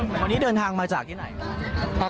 วันนี้เดินทางมาจากที่ไหน